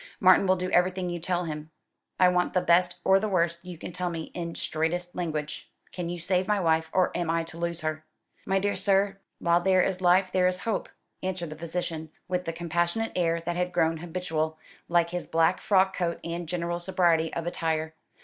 "Martin will do everything you tell him. I want the best or the worst you can tell me in straightest language. Can you save my wife, or am I to lose her?" "My dear sir, while there is life there is hope," answered the physician, with the compassionate air that had grown habitual, like his black frock coat and general sobriety of attire.